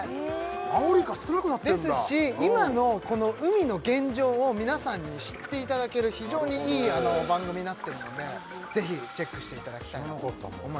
アオリイカ少なくなってんだですし今のこの海の現状を皆さんに知っていただける非常にいい番組になってるのでぜひチェックしていただきたいと思います